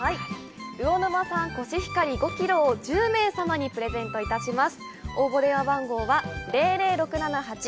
魚沼産コシヒカリ５キロを１０名様にプレゼントします。